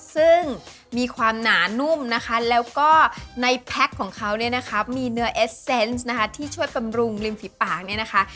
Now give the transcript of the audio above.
ซึ่งมีความหนานุ่มนะคะแล้วก็ในแพ็คของเขาเนี่ยนะคะมีเนื้อเอสเซนต์นะคะที่ช่วยบำรุงริมฝีปากเนี่ยนะคะ